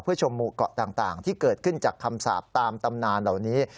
ชมหมู่เกาะต่างที่เกิดขึ้นจากคำสาปตามตำนานเหล่านี้